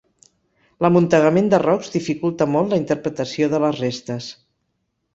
L'amuntegament de rocs dificulta molt la interpretació de les restes.